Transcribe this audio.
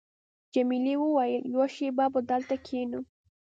جميلې وويل:، یوه شېبه به دلته کښېنو.